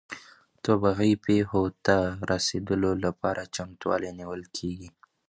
طبیعي پیښو ته د رسیدو لپاره چمتووالی نیول کیږي.